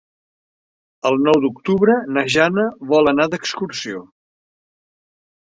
El nou d'octubre na Jana vol anar d'excursió.